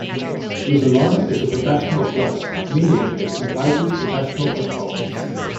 Roeselare is a professional club, meaning it comprises professional footballers.